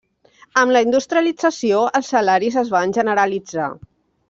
Amb la industrialització, els salaris es van generalitzar.